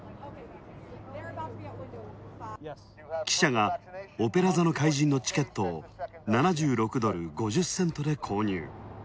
記者が「オペラ座の怪人」のチケットを７６ドル５０セントで購入。